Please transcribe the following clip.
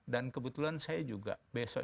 dan kebetulan saya juga besok